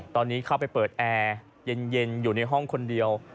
ตอนนี้เข้าไปเปิดแอร์เย็นอยู่ในห้องคนเดียว